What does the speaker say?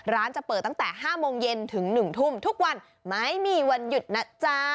จะเปิดตั้งแต่๕โมงเย็นถึง๑ทุ่มทุกวันไม่มีวันหยุดนะจ๊ะ